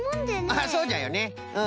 ああそうじゃよねうん。